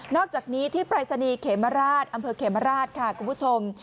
อกจากนี้ที่ปรายศนีย์เขมราชอำเภอเขมราชค่ะคุณผู้ชม